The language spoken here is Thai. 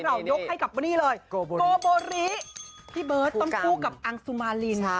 ยกให้กับนี่เลยโกโบริพี่เบิร์ตต้องคู่กับอังสุมาริน